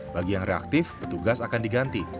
bagi yang reaktif petugas akan diganti